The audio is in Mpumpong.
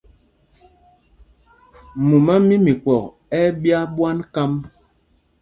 Mumá mí Mikpɔk ɛ́ ɛ́ ɓyá ɓwân kám.